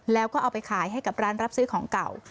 แล้วก็เอาไปขายให้กับร้านรับซื้อของเก่า